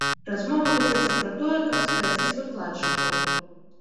Размова вядзецца пра тое, каб скараціць выкладчыкаў.